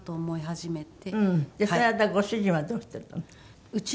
その間ご主人はどうしてたの？